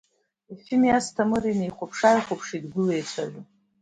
Ефими Асҭамыри инеихәаԥшы-ааихәаԥшит, гәыла еицәажәо.